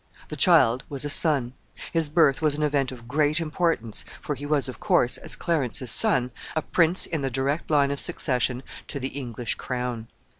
The child was a son. His birth was an event of great importance, for he was, of course, as Clarence's son, a prince in the direct line of succession to the English crown.